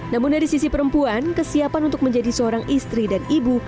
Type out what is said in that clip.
namun dari sisi perempuan kesiapan untuk menjadi seorang istri dan ibu